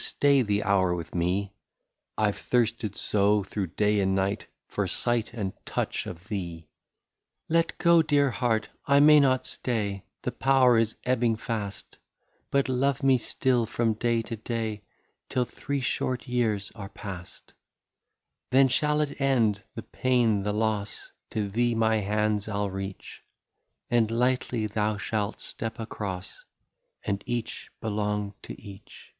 stay the hour with me ; I Ve thirsted so through day and night For sight and touch of thee." " Let go, dear heart, I may not stay, — The power is ebbing fast ; But love me still from day to day, Till three short years are past. " Then shall it end, the pain, the loss, To thee my hands I '11 reach ; And lightly thou shalt step across. And each belong to each."